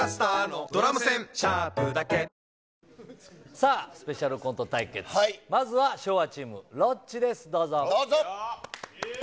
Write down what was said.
さあ、スペシャルコント対決、まずは昭和チーム、ロッチです、どうぞ。